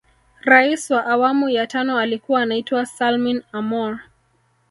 Rais wa awamu ya tano alikuwa anaitwa Salmin Amour